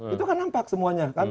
itu kan nampak semuanya